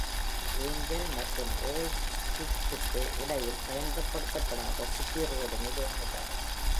Angel மற்றும் old ஸ்ட்ரீட்டிற்கு இடையில் பயன்படுத்தப்படாத சிட்டி ரோடு நிலையம் உள்ளது.